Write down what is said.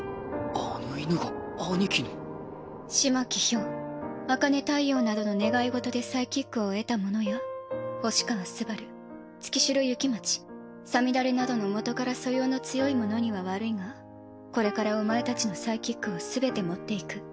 あの犬が風巻豹茜太陽などの願い事でサイキックを得た者や星川昴月代雪待さみだれなどの元から素養の強い者には悪いがこれからお前たちのサイキックを全て持っていく。